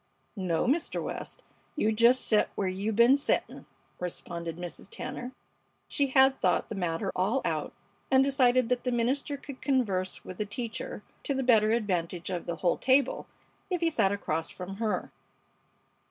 "No, Mister West, you jest set where you ben settin'," responded Mrs. Tanner. She had thought the matter all out and decided that the minister could converse with the teacher to the better advantage of the whole table if he sat across from her.